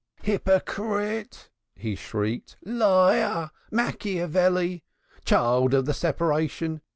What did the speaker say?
"Hypocrite!" he shrieked. "Liar! Machiavelli! Child of the separation!